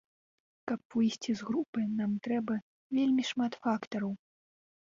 Каб выйсці з групы, нам трэба вельмі шмат фактараў.